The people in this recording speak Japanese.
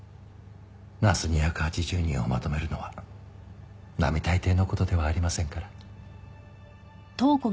ナース２８０人をまとめるのは並大抵の事ではありませんから。